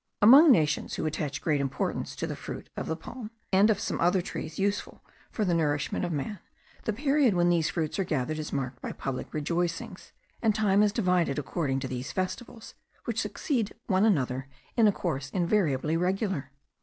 Among nations who attach great importance to the fruit of the palm, and of some other trees useful for the nourishment of man, the period when these fruits are gathered is marked by public rejoicings, and time is divided according to these festivals, which succeed one another in a course invariably regular.